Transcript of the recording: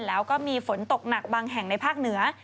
แล้วก็มีฝนตกหนักบางแห่งในภาคเหนือ